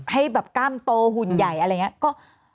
ให้แบบกล้ามโตหุ่นใหญ่อะไรอย่างนี้